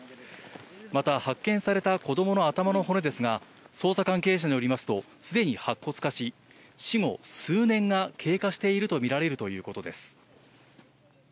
また発見された子供の頭の骨ですが、捜査関係者によりますと、すでに白骨化し、死後数年が経過しているとみられるということです。